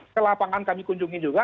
ke lapangan kami kunjungi juga